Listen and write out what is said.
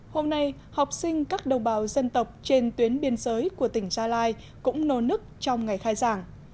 hôm nay học sinh các đồng bào dân tộc trên tuyến biên giới của tỉnh gia lai cũng nô nức trong ngày khai giảng